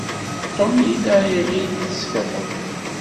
Tom yella iɣill tsekṛeḍ.